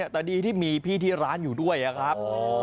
แต่ดีที่มีพี่ที่ร้านอยู่ด้วยครับ